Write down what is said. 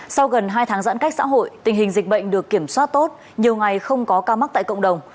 sau gần hai tháng giãn cách xã hội tình hình dịch bệnh được kiểm soát tốt nhiều ngày không có ca mắc tại cộng đồng